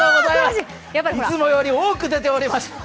いつもより多く出ております。